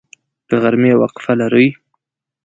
د غرمې وقفه لرئ؟